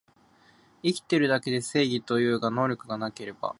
生きてるだけで正義というが、能力がなければ勝てないという事実も受け入れなければならない